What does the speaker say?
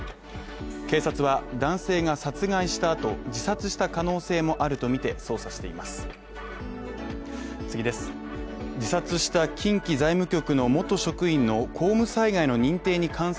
警察は男性が殺害した後、自殺した可能性もあるとみて捜査しています。